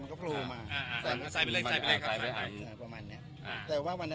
มีคนมาแบ่งก่อนหน้านั้นนะ